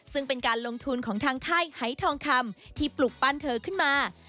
ซึ่งเป็นการลงทุนของทางค่ายหายทองคำที่ปลุกปั้นเธอขึ้นมา